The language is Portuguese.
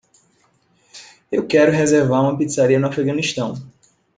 Eu quero reservar uma pizzaria no Afeganistão.